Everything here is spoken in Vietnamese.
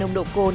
đối chủ quan